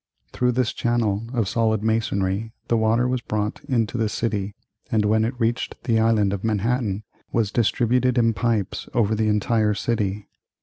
Through this channel of solid masonry the water was brought into the city, and when it reached the Island of Manhattan was distributed in pipes over the entire city.